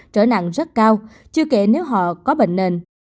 trở nặng rất cao chưa kể nếu họ có bệnh nền